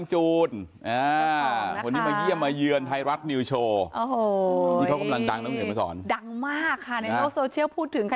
ดูไข่เจียวหน่อยไข่เจียว